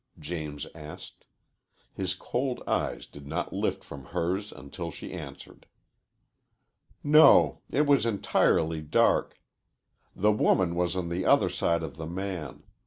James asked. His cold eyes did not lift from hers until she answered. "No. It was entirely dark. The woman was on the other side of the man.